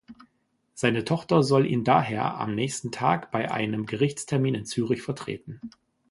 Seine Tochter soll ihn daher am nächsten Tag bei einem Gerichtstermin in Zürich vertreten.